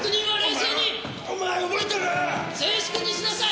静粛にしなさい！